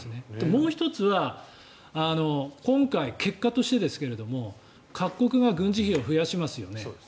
もう１つは今回、結果としてですが各国が軍事費を増やしますよね。